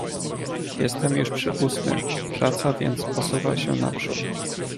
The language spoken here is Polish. "Jestem już przy ósmym, praca więc posuwa się naprzód."